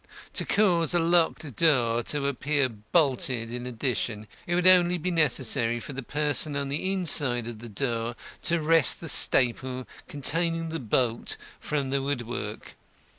To cause a locked door to appear bolted in addition, it would only be necessary for the person on the inside of the door to wrest the staple containing the bolt from the woodwork.